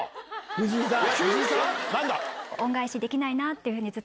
藤井さん！